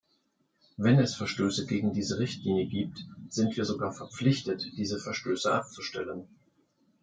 Wenn es Verstöße gegen diese Richtlinie gibt, sind wir sogar verpflichtet, diese Verstöße abzustellen.